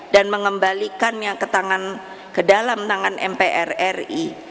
dan mengembalikannya ke dalam tangan mprri